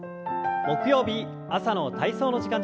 木曜日朝の体操の時間です。